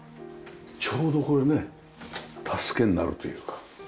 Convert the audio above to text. ちょうどこれね助けになるというか。